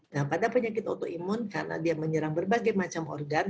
nah pada penyakit autoimun karena dia menyerang berbagai macam organ